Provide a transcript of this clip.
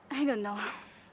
saya tidak tahu